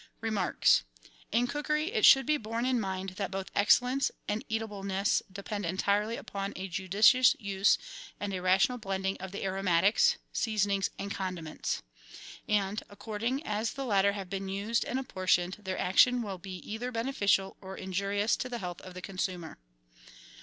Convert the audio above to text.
Remarks. — In cookery it should be borne in mind that both excellence and eatableness depend entirely upon a judicious use and a rational blending of the aromatics, seasonings, and con diments. And, according as the latter have been used and apportioned, their action will be either beneficial or injurious to the health of the consumer.